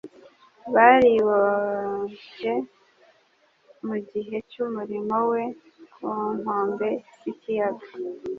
bariboncye mu gihe cy'umurimo we ku nkombe z'ikiyaga